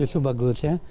itu bagus ya